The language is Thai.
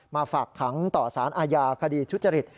ฝากขังต่อสารอาญาคดีทุจริต